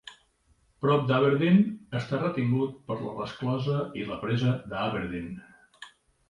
Prop d'Aberdeen, està retingut per la resclosa i la presa d'Aberdeen.